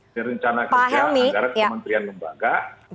rerencana kerja anggaran kementerian lembaga